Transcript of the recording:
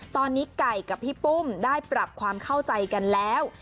ตอนนี้ไก่กับพี่ปุ้มได้ปรับความเข้าใจกันแล้ว